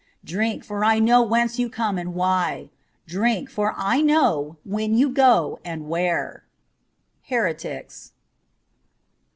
Drink, for I know whence you come and why. Drink, for I know when you go and where.' '■Heretics.''